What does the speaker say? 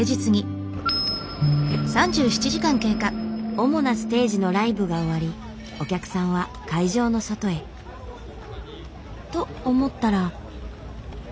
主なステージのライブが終わりお客さんは会場の外へ。と思ったら。